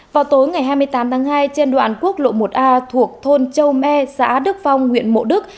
vào tối ngày hai mươi tám tháng hai trên đoạn quốc lộ một a thuộc thôn châu me xã đức phong huyện mộ đức